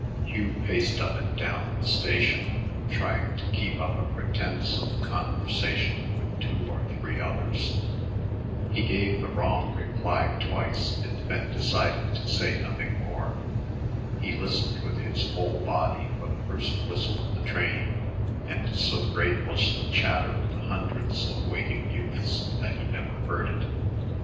Hugh paced up and down the station, trying to keep up a pretense of a conversation with two or three others. He gave the wrong reply twice and then decided to say nothing more. He listened with his whole body for the first whistle of the train, and so great was the chatter of the hundreds of waiting youths that he never heard it.